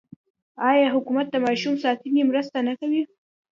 آیا حکومت د ماشوم ساتنې مرسته نه کوي؟